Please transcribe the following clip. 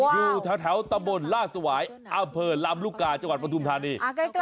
อยู่แถวตำบลล่าสวายอำเภอลำลูกกาจังหวัดปทุมธานี